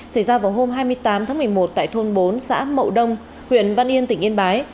xảy ra vào hôm hai mươi tám tháng một mươi một tại thôn bốn xã mậu đông huyện văn yên tỉnh yên bái